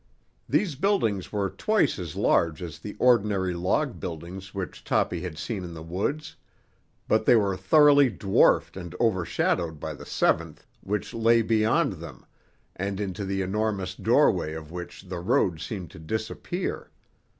These buildings were twice as large as the ordinary log buildings which Toppy had seen in the woods; but they were thoroughly dwarfed and overshadowed by the seventh, which lay beyond them, and into the enormous doorway of which the road seemed to disappear.